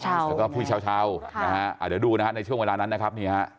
แล้วก็พี่เช้านะฮะเดี๋ยวดูนะฮะในช่วงเวลานั้นนะครับนี่ฮะ